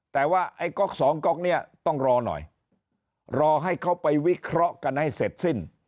แต่ว่าไอ้ก๊อกสองก๊อกเนี่ยต้องรอหน่อยรอให้เขาไปวิเคราะห์กันให้เสร็จสิ้น